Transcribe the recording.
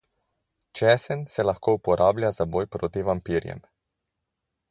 Česen se lahko uporablja za boj proti vampirjem.